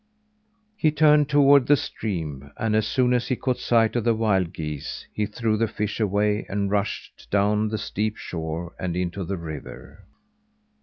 He turned toward the stream; and as soon as he caught sight of the wild geese, he threw the fish away, and rushed down the steep shore and into the river.